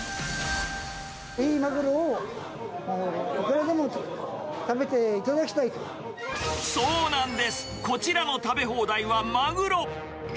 いいマグロをいくらでも食べそうなんです、こちらの食べ放題はマグロ。